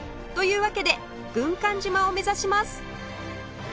というわけで軍艦島を目指します